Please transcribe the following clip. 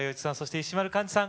石丸幹二さん